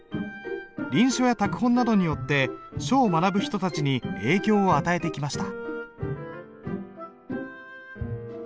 臨書や拓本などによって書を学ぶ人たちに影響を与えてきました。